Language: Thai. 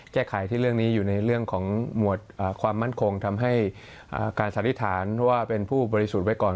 แก้ไขที่เรื่องนี้อยู่ในเรื่องของหมวดความมั่นคงทำให้การสันนิษฐานว่าเป็นผู้บริสุทธิ์ไว้ก่อน